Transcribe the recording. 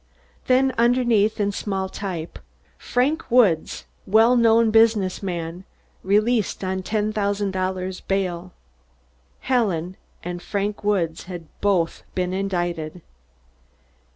Then underneath in small type: "Frank Woods, Well Known Business Man, Released on $10,000 Bail." Helen and Frank Woods had both been indicted.